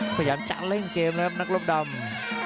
พยายามจะเร่งเกมนะครับนักรบดำ